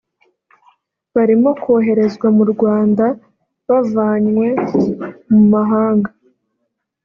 barimo koherezwa mu Rwanda bavanywe mu mahanga